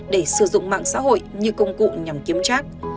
để sử dụng mạng xã hội như công cụ nhằm kiếm trác